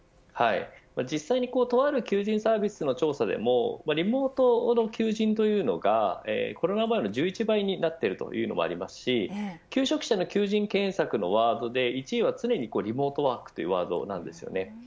実際にとある求人サービスの調査でもリモートの求人というのがコロナ前の１１倍になっているというのもありますし求職者の求人検索のワードで１位は常にリモートワークというワードです。